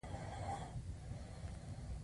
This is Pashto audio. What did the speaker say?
په فیوډالي نظام کې مؤلده ځواکونه وده وکړه.